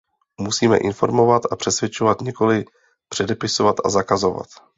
Musíme informovat a přesvědčovat, nikoli předepisovat a zakazovat.